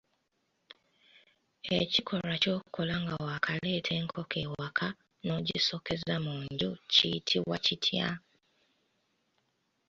Ekikolwa ky'okola nga waakaleeta enkoko ewaka n'ogisookeza mu nju kiyitibwa kitya?